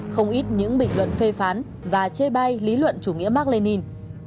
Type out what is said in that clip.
không ít những bình luận phê phán và chê bai lý luận chủ nghĩa mark lenin